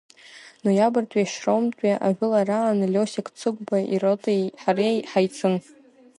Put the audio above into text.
Ноиабртәи Шьроматәи ажәылараан Лиосик Цыгәба иротеи ҳареи ҳаицын.